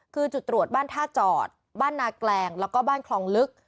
คือจุดตรวจบ้านท่าจอดบ้านนาแกลงแล้วก็บ้านคลองลึก